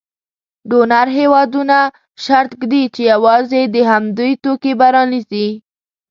ډونر هېوادونه شرط ږدي چې یوازې د همدوی توکي به رانیسي.